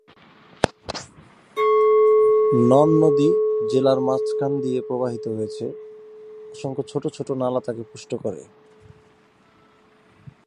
নন নদী জেলার মাঝখান দিয়ে প্রবাহিত হয়েছে, অসংখ্য ছোট ছোট নালা তাকে পুষ্ট করে।